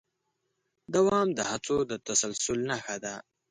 دوام د هڅو د تسلسل نښه ده.